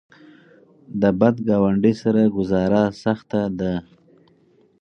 د بد ګاونډي سره ګذاره سخته ده.